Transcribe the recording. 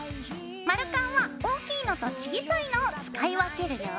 丸カンは大きいのと小さいのを使い分けるよ。